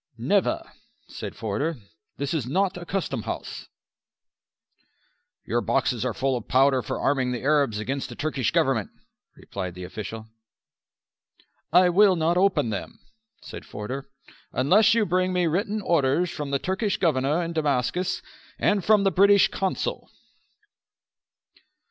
"Never," said Forder. "This is not a custom house." "Your boxes are full of powder for arming the Arabs against the Turkish Government," replied the official. "I will not open them," said Forder, "unless you bring me written orders from the Turkish Governor in Damascus and from the British Consul."